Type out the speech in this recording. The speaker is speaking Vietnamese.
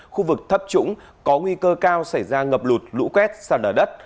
khu vực thấp trũng có nguy cơ cao xảy ra ngập lụt lũ quét sao đờ đất